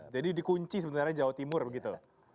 jadi dikunci sebenarnya jawa timur begitu